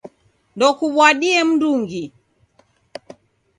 Ndukuw'adie mndungi